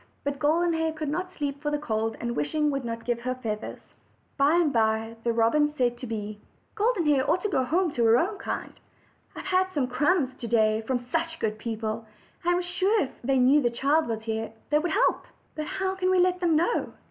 But Golden Hair could not sleep for the cold, and wishing would not give her feathers. By and by the robin said to the bee; 224 OLD, OLD FAIRY TALES. "Golden Hair ought to go home to her own kind. I have had some crumbs to day from such good people; I am sure if they knew the child was here, they would help her." "But how can w e let them know?"